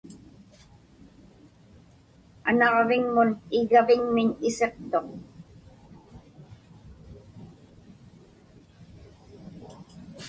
Anaġviŋmun iggaviŋmiñ isiqtuq.